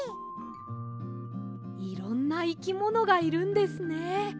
いろんないきものがいるんですね。